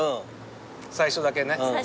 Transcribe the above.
最初だけね。